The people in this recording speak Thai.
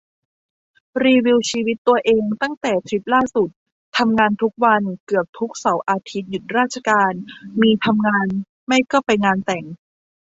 รีวิวชีวิตตัวเองตั้งแต่ทริปล่าสุด ทำงานทุกวัน เกือบทุกเสาร์อาทิตย์หยุดราชการ มีทำงานไม่ก็ไปงานแต่ง